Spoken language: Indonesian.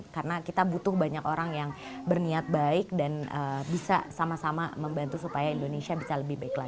karena kita butuh banyak orang yang berniat baik dan bisa sama sama membantu supaya indonesia bisa lebih baik lagi